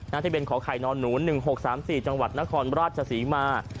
ทะเบียนขอไข่นอนหนู๑๖๓๔จังหวัดนครราชศรีมา